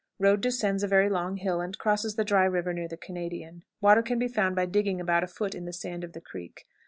Road descends a very long hill, and crosses the dry river near the Canadian. Water can be found by digging about a foot in the sand of the creek.